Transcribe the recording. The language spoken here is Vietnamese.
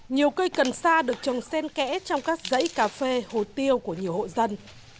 nhiều cây cần sa được trồng sen kẽ trong các dãy cà phê hồ tiêu của nhiều hộ dân